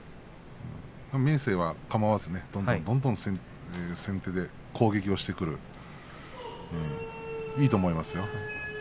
明生はかまわずどんどん先手で攻撃をしてくるそういう力士です。